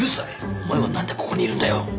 お前はなんでここにいるんだよ？